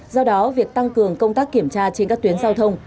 do đó việc tăng cường công tác kiểm tra trên các tuyến giao thông